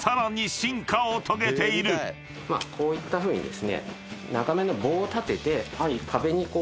こういったふうにですね。